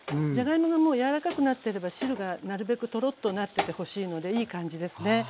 じゃがいもがもう柔らかくなっていれば汁がなるべくトロッとなっててほしいのでいい感じですね。